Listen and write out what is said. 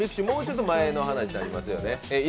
もうちょっと前の話になります。